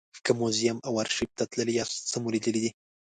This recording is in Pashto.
که موزیم او ارشیف ته تللي یاست څه مو لیدلي دي.